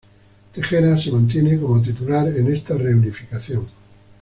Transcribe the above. Tejera se mantiene como titular en esta reunificación.